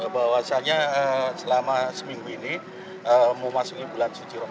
bahwasanya selama seminggu ini mau masuknya bulan suci rokas